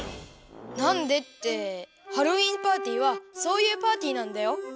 なんでってハロウィーンパーティーはそういうパーティーなんだよ。